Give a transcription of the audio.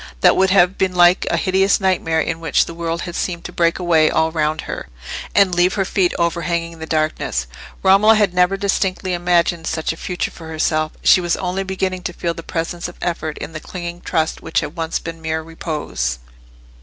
That would have been like the hideous nightmare in which the world had seemed to break away all round her, and leave her feet overhanging the darkness. Romola had never distinctly imagined such a future for herself; she was only beginning to feel the presence of effort in that clinging trust which had once been mere repose.